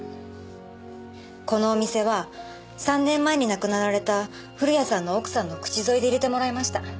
このお店は３年前に亡くなられた古谷さんの奥さんの口添えで入れてもらいました。